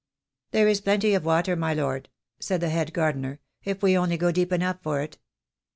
"There is plenty of water, my lord," said the head gardener, "if we only go deep enough for it."